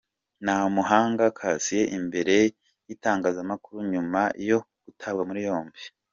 Ntamuhanga Cassien imbere y’itangazamakuru nyuma yo gutabwa muri yombi.